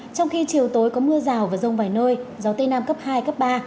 trong khi chiều tối có mưa rào và rông vài nơi gió tây nam cấp hai cấp ba